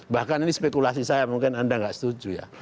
bahkan ini spekulasi saya mungkin anda nggak setuju ya